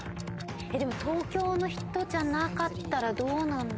でも東京の人じゃなかったらどうなんだろう。